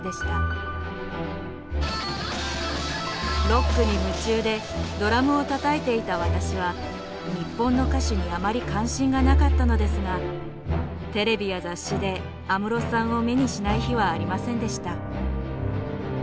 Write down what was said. ロックに夢中でドラムをたたいていた私は日本の歌手にあまり関心がなかったのですがテレビや雑誌で安室さんを目にしない日はありませんでした。